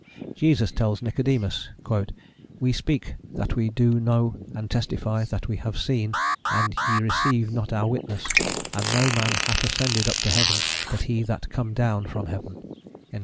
Jesus tells Nicodemus: "We speak that we do know and testify that we have seen, and ye receive not our witness; and no man hath ascended up to heaven, but he that came down from heaven."